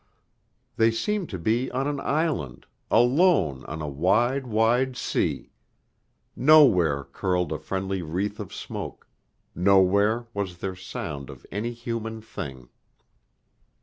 They seemed to be on an island, alone on a wide, wide sea. Nowhere curled a friendly wreath of smoke; nowhere was there sound of any human thing.